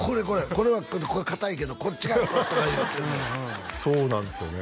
「これはかたいけどこっちが」とか言うてるそうなんですよね